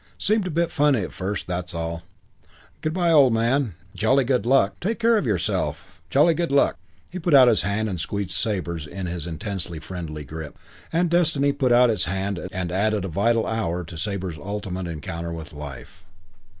Seemed a bit funny at first, that's all. Good by, old man. Jolly good luck. Take care of yourself. Jolly good luck." He put out his hand and squeezed Sabre's in his intensely friendly grip; and destiny put out its hand and added another and a vital hour to Sabre's ultimate encounter with life.